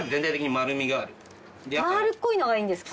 丸っこいのがいいんですか？